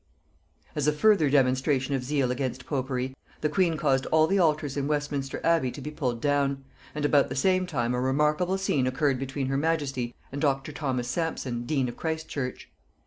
As a further demonstration of zeal against popery, the queen caused all the altars in Westminster abbey to be pulled down; and about the same time a remarkable scene occurred between her majesty and Dr. Thomas Sampson dean of Christ church.